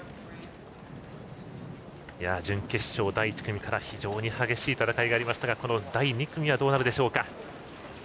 準決勝第１組から非常に激しい戦いになりましたがこの第２組はどうなるでしょうか。